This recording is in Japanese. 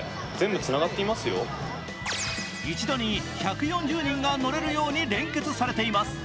一度に１４０人が乗れるように連結されています。